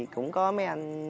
cũng có mấy anh